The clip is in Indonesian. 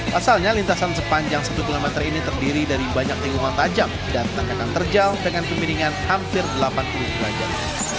pasalnya lintasan sepanjang satu lima meter ini terdiri dari banyak tinggungan tajam dan tanggangan terjal dengan pembiningan hampir delapan puluh derajat